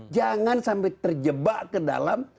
jangan sampai terjebak ke dalam